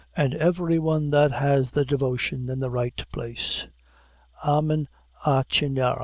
and every one that has the devotion in the right place; _amin a Chiernah!